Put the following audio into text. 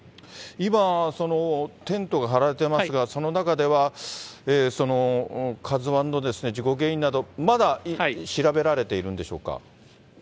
今、テントが張られてますが、その中では、ＫＡＺＵＩの事故原因など、まだ調べられているんでしょうか。